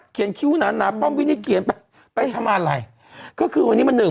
เขียนคิ้วนั้นนะป้องวินิเกียร์ไปทำอะไรก็คือวันนี้มันหนึ่ง